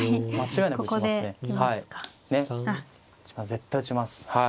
絶対打ちます。